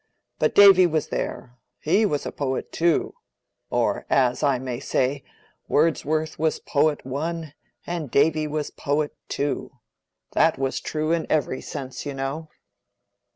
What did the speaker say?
But Davy was there: he was a poet too. Or, as I may say, Wordsworth was poet one, and Davy was poet two. That was true in every sense, you know."